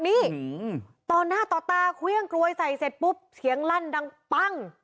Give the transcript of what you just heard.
นี่ต่อหน้าต่อตาเครื่องกลวยใส่เสร็จปุ๊บเสียงลั่นดังปั้ง